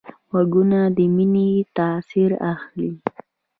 غوږونه د مینې تاثر اخلي